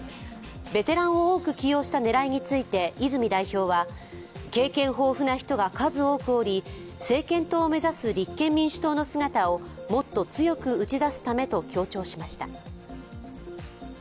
ベテランを多く起用した狙いについて泉代表は、経験豊富な人が数多くおり政権党を目指す立憲民主党の姿をもっと強く打ち出すためと強調しました。